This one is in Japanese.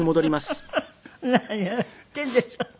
何を言ってるんでしょうね。